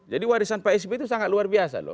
jadi warisan pak sbe itu sangat luar biasa loh